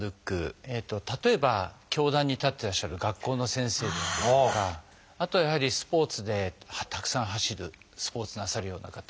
例えば教壇に立ってらっしゃる学校の先生だったりとかあとはやはりスポーツでたくさん走るスポーツなさるような方。